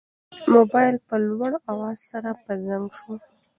موبایل په لوړ اواز سره په زنګ شو.